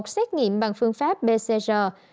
xét nghiệm bằng phương pháp bcr